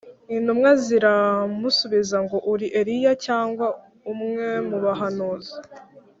intumwa ziramusubiza ngo uri eliya cyangwa umwe mubahanuzi